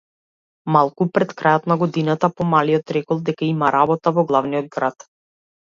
Малку пред крајот на годината помалиот рекол дека има работа во главниот град.